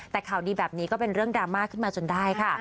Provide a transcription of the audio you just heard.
แต่ข่าวดีแบบนี้ก็เป็นเรื่องดราม่าขึ้นมาจนได้ค่ะ